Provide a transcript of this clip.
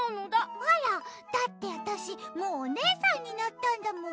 あら？だってわたしもうおねえさんになったんだもん。